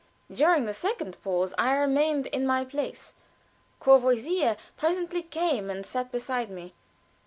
During the second pause I remained in my place. Courvoisier presently came and sat beside me.